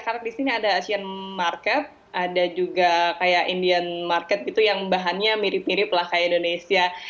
karena di sini ada asian market ada juga kayak indian market gitu yang bahannya mirip mirip lah kayak indonesia